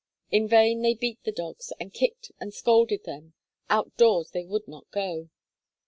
In vain they beat the dogs, and kicked and scolded them, out door they would not go.